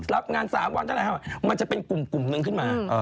รับงาน๓วันเท่าไหร่มันจะเป็นกลุ่มนึงขึ้นมา